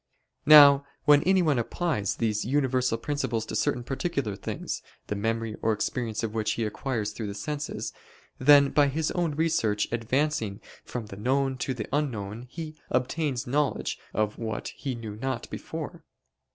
Now when anyone applies these universal principles to certain particular things, the memory or experience of which he acquires through the senses; then by his own research advancing from the known to the unknown, he obtains knowledge of what he knew not before.